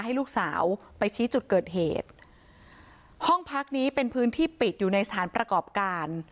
ให้ลูกสาวไปชี้จุดเกิดเหตุห้องพักนี้เป็นพื้นที่ปิดอยู่ในสถานประกอบการ